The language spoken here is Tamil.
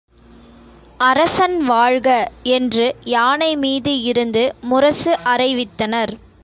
அரசன் வாழ்க என்று யானை மீது இருந்து முரசு அறைவித்தனர்.